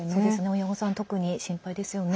親御さん、特に心配ですよね。